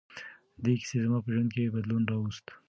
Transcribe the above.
دې کیسې زما په ژوند کې بدلون راوست.